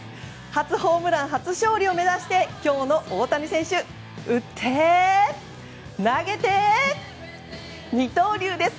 初ホームラン、初勝利を目指して今日の大谷選手打って、投げて、二刀流です！